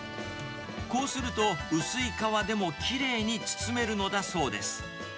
こうすると、薄い皮でもきれいに包めるのだそうです。